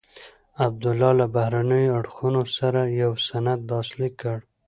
عبدالله له بهرنیو اړخونو سره یو سند لاسلیک کړ.